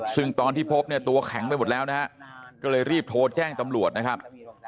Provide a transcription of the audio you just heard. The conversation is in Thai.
ซึ่งตอนที่พบเนี่ยตัวแข็งไปหมดแล้วนะฮะก็เลยรีบโทรแจ้งตำรวจนะครับ